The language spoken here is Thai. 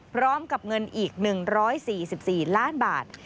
พร้อมกับเงินอีก๑๔๔ล้านบาท